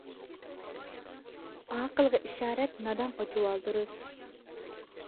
ئاقىلغا ئىشارەت، نادانغا جۇۋالدۇرۇز.